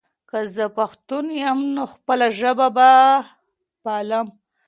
که زه پښتون یم، نو خپله ژبه به پالم.